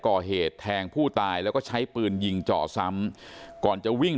ก่อเหตุแทงผู้ตายแล้วก็ใช้ปืนยิงเจาะซ้ำก่อนจะวิ่ง